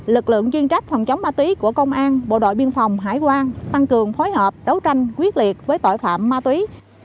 lực lượng chuyên trách phòng chống ma túy của công an bộ đội biên phòng hải quan tăng cường phối hợp đấu tranh quyết liệt với tội phạm ma túy